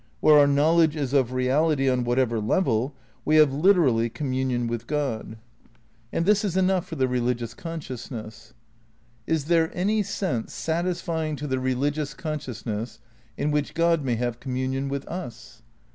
Where our knowledge is of reality on whatever level, we have literally communion with God. 308 THE NEW IDEALISM xi And this is enough for the religious consciousness. Is there any sense, satisfying to the religious con sciousness, in which God may have communion with us?